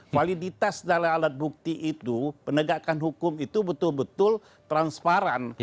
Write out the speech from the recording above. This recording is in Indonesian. validitas dari alat bukti itu penegakan hukum itu betul betul transparan